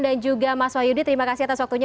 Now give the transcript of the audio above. dan juga mas wahyudi terima kasih atas waktunya